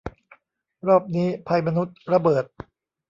รอบนี้ ภัยมนุษย์ ระเบิด